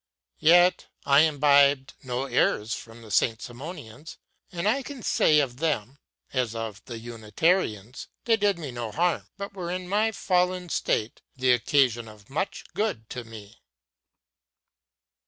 Yet I imbibed no errors from the Saint Simonians; and I can say of them as of the Unitarians, they did me no harm, but were in my fallen state the occasion of much good to me.